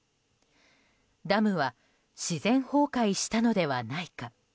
ダムは自然崩壊したのではないか。